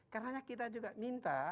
karena kita juga minta